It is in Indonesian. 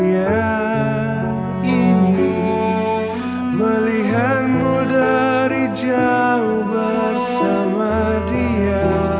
walaupun pasti ku terbakar cemburu